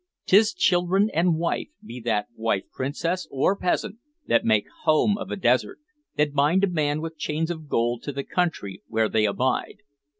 'T is children and wife be that wife princess or peasant that make home of a desert, that bind a man with chains of gold to the country where they abide.